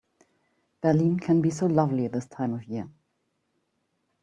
Berlin can be so lovely this time of year.